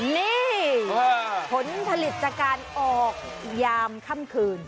นี่ผลผลิตจากการออกยามค่ำคืน